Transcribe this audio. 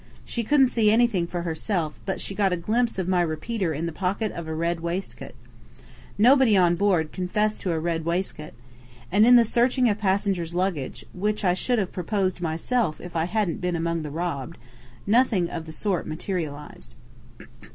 She couldn't 'see' anything for herself, but she got a glimpse of my repeater in the pocket of a red waistcoat. Nobody on board confessed to a red waistcoat. And in the searching of passengers' luggage which I should have proposed myself if I hadn't been among the robbed nothing of the sort materialized.